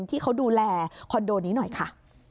ที่เขาดูแลคอนโดนี้หน่อยค่ะ